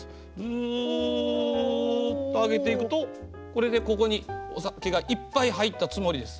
ずっと上げていくとこれでここにお酒がいっぱい入ったつもりです。